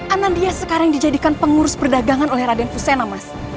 anandya sekarang dijadikan pengurus perdagangan oleh raden fusena mas